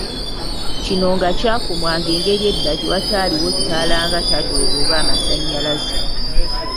kino nga kyakumwanga mu Engeri edda gye wataaliwo ttaala nga tadooba oba amasannyalaze